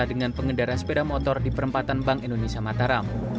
dengan pengendara sepeda motor di perempatan bank indonesia mataram